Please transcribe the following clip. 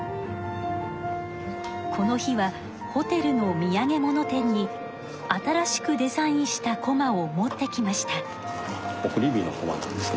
この日はホテルのみやげもの店に新しくデザインしたこまを持ってきました。